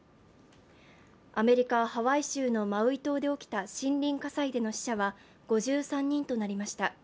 アメリカ・ハワイ州のマウイ島で起きた森林火災での死者は、５３人となりました。